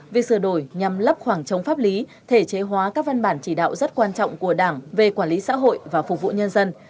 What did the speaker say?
việc sửa đổi nhằm lấp khoảng trống pháp lý thể chế hóa các văn bản chỉ đạo rất quan trọng của đảng về quản lý xã hội và phục vụ nhân dân